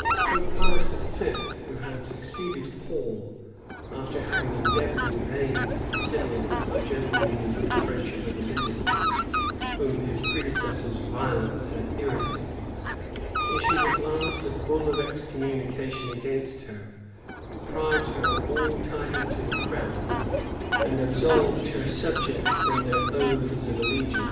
Pope Pius V., who had succeeded Paul, after having endeavored in vain to conciliate by gentle means the friendship of Elizabeth, whom his predecessor's violence had irritated, issued at last a bull of excommunication against her, deprived her of all title to the crown, and absolved her subjects from their oaths of allegiance.